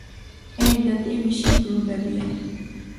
ენი და ტიმი შინ ბრუნდებიან.